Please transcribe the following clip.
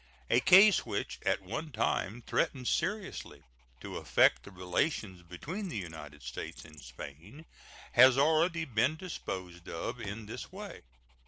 A case which at one time threatened seriously to affect the relations between the United States and Spain has already been disposed of in this way.